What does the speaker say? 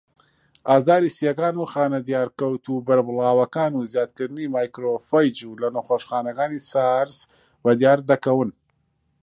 ئازاری سییەکان و خانە دیارکەوتوو بەربڵاوەکان و زیادکردنی ماکرۆفەیج لە نەخۆشەکانی سارس بەدیاردەکەون.